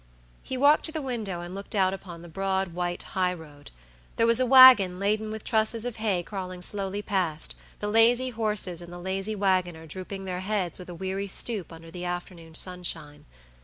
He walked to the window and looked out upon the broad, white high road. There was a wagon laden with trusses of hay crawling slowly past, the lazy horses and the lazy wagoner drooping their heads with a weary stoop under the afternoon's sunshine.